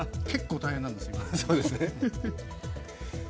結構大変なんです、今。